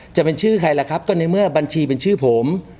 จะเป็นชื่อใครล่ะครับก็ในเมื่อบัญชีเป็นชื่อผม